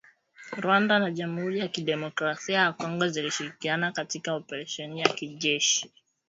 Rwanda na Jamuhuri ya Kidemokrasia ya Kongo zilishirikiana katika oparesheni ya kijeshi